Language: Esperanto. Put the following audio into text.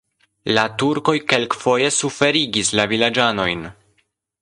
La turkoj kelkfoje suferigis la vilaĝanojn.